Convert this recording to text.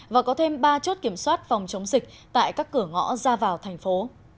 và có thêm ba chốt kiểm soát phòng chống dịch tại các cửa ngõ ra vào thành phố